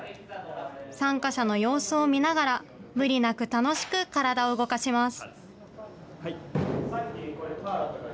参加者の様子を見ながら、無理なく楽しく体を動かします。